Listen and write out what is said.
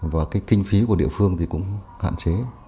và cái kinh phí của địa phương thì cũng hạn chế